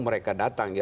mereka datang ya